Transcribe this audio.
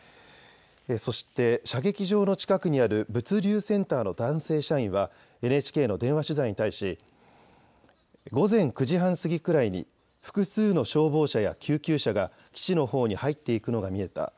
そして射撃場の近くにある物流センターの男性社員はＮＨＫの電話取材に対し午前９時半過ぎくらいに複数の消防車や救急車が基地のほうに入っていくのが見えた。